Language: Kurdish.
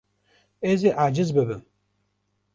Ez ê aciz bibim.